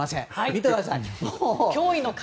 見てください。